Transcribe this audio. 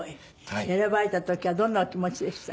選ばれた時はどんなお気持ちでした？